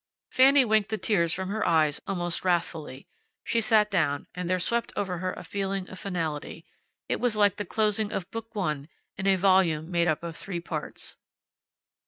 Fanny winked the tears from her eyes, almost wrathfully. She sat down, and there swept over her a feeling of finality. It was like the closing of Book One in a volume made up of three parts.